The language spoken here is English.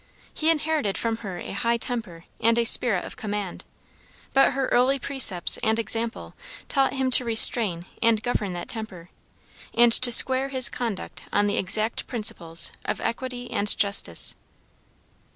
He inherited from her a high temper and a spirit of command, but her early precepts and example taught him to restrain and govern that temper, and to square his conduct on the exact principles of equity and justice.